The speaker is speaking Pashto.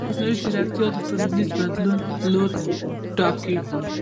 مصنوعي ځیرکتیا د ټولنیزو بدلونونو لوری ټاکي.